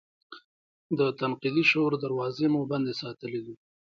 د تنقیدي شعور دراوزې مو بندې ساتلي دي.